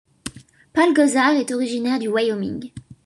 Paul Gosar est originaire du Wyoming.